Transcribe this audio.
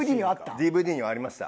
ＤＶＤにはありました。